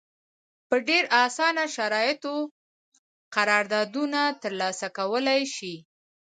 په ډېر اسانه شرایطو قراردادونه ترلاسه کولای شي.